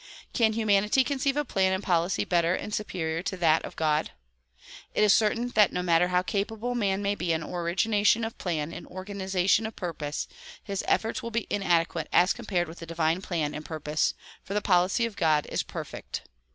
Can humanity conceive a plan and policy better and superior to that of God? It is certain that no matter how capable man may be in origination of plan and organization of purpose his efforts will be inadequate as compared with the divine plan and purpose ; for the policy of God is perfect.